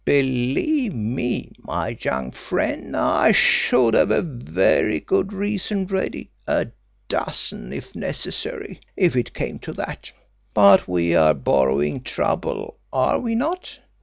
Believe me, my young friend, I should have a very good reason ready, a dozen, if necessary, if it came to that. But we are borrowing trouble, are we not?